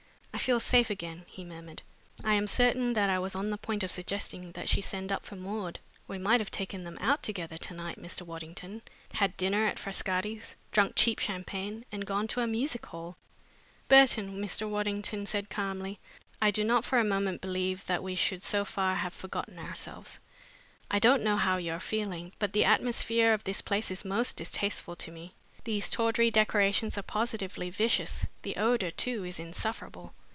"I feel safe again," he murmured. "I am certain that I was on the point of suggesting that she send up for Maud. We might have taken them out together to night, Mr. Waddington had dinner at Frascati's, drunk cheap champagne, and gone to a music hall!" "Burton," Mr. Waddington said calmly, "I do not for a moment believe that we should so far have forgotten ourselves. I don't know how you are feeling, but the atmosphere of this place is most distasteful to me. These tawdry decorations are positively vicious. The odor, too, is insufferable."